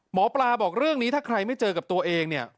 หมอปลาบอกเรื่องนี้ถ้าใครไม่เจอกับตัวเองเนี่ย